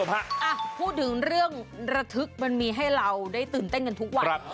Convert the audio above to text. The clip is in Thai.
พูดถึงเรื่องระทึกมันมีให้เราได้ตื่นเต้นกันทุกวัน